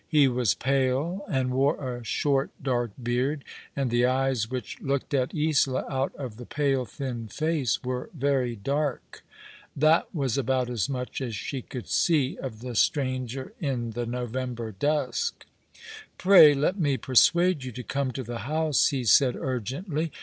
He was pale. 8 All alo7ig the River. and wore a sliort, dark beard, and the eyes which looked at Isola out of the pale, thin face were very dark. That was about as much as she could see of the stranger in the November dusk. " Pray let me persuade you to come to the house," he said urgently.